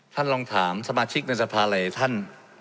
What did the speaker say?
ท่านลองถามสมาชิกในสภาอะไรท่าน